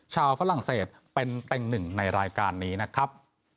ฝรั่งเศสเป็นเต็งหนึ่งในรายการนี้นะครับ